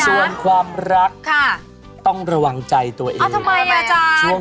ส่วนความรักต้องระวังใจตัวเอง